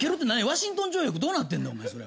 ワシントン条約どうなってんねんお前それ。